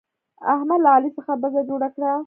احمد له علي څخه بزه جوړه کړه.